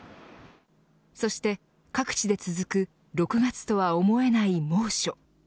そして各地で続く６月とは思えない猛暑。